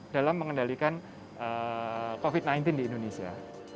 dalam mengendalikan covid sembilan belas di indonesia